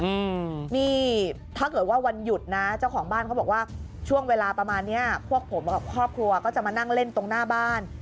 อืมนี่ถ้าเกิดว่าวันหยุดนะเจ้าของบ้านเขาบอกว่าช่วงเวลาประมาณเนี้ยพวกผมกับครอบครัวก็จะมานั่งเล่นตรงหน้าบ้าน